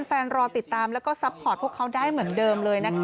รอติดตามแล้วก็ซัพพอร์ตพวกเขาได้เหมือนเดิมเลยนะคะ